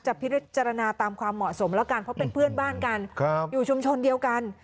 พิจารณาตามความเหมาะสมแล้วกันเพราะเป็นเพื่อนบ้านกันอยู่ชุมชนเดียวกัน